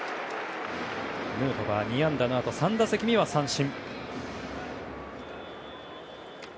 ヌートバー、２安打のあと３打席には三振。